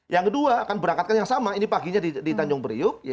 yang kedua akan berangkatkan yang sama ini paginya di tanjung priuk